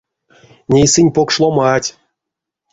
Ней сынь покш ломанть.